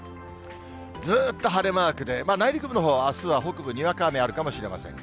ずっと晴れマークで、内陸部のほうあすは北部にわか雨あるかもしれません。